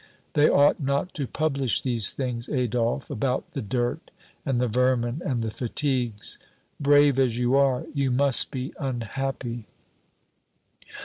"They ought not to publish these things, Adolphe, about the dirt and the vermin and the fatigues! Brave as you are, you must be unhappy?"